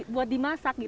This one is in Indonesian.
buat dimasak gitu